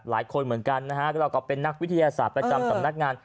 หลายคนเหมือนกันนะฮะเราก็เป็นนักวิทยาศาสตร์ประจำสำนักงาน